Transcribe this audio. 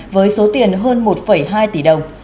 với số tiền hơn một hai tỷ đồng